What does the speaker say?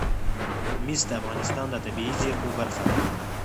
مس د افغانستان د طبیعي زیرمو برخه ده.